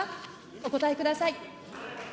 お答えください。